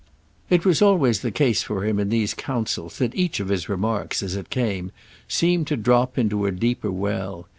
It was always the case for him in these counsels that each of his remarks, as it came, seemed to drop into a deeper well.